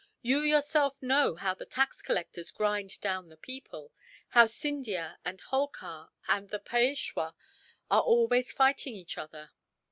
You yourself know how the tax collectors grind down the people; how Scindia and Holkar and the Peishwa are always fighting each other.